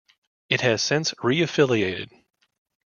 It has since re-affiliated.